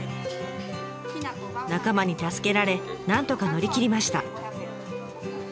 仲間に助けられなんとか乗り切りました。